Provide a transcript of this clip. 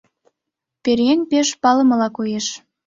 Пӧръеҥ пеш палымыла коеш.